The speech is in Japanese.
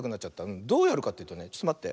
どうやるかっていうとねちょっとまって。